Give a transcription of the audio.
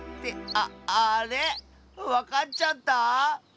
ああれ⁉わかっちゃった？